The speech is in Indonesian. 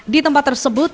di tempat tersebut